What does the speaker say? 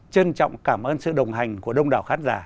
trân trọng cảm ơn sự đồng hành của đông đảo khán giả